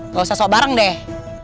gak usah sok bareng deh